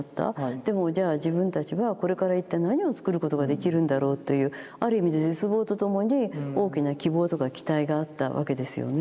でもじゃあ自分たちはこれから一体何を作ることができるんだろうというある意味で絶望とともに大きな希望とか期待があったわけですよね。